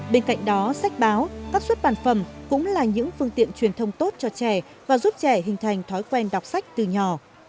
bên cạnh đó sách báo các xuất bản phẩm cũng là những phương tiện truyền thông tốt cho trẻ và giúp trẻ hình thành thói quen đọc sách từ nhỏ